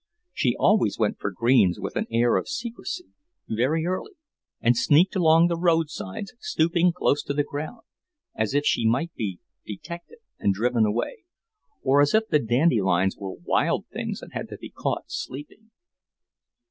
She always went for greens with an air of secrecy, very early, and sneaked along the roadsides stooping close to the ground, as if she might be detected and driven away, or as if the dandelions were wild things and had to be caught sleeping.